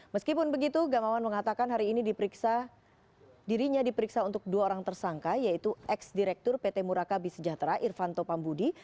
meskipun begitu gamawan mengatakan hari ini dirinya diperiksa untuk dua orang tersangka yaitu ex direktur pt murakabi sejahtera irvanto pambudi